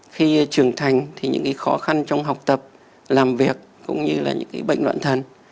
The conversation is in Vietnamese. khi trưởng thành thì những khó khăn trong học tập làm việc cũng như là những bệnh loạn thần